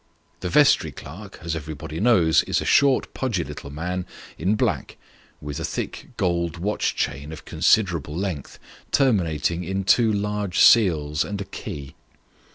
The vestry clerk, as everybody knows, is a short, pudgy little man, in black, with a thick gold watch chain of considerable length, terminating in two large seals and a key.